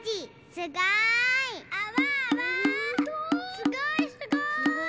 すごいすごい！